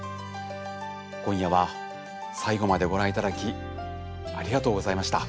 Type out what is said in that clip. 今夜は最後までご覧いただきありがとうございました。